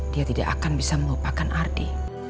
dia tidak akan bisa melupakan ardi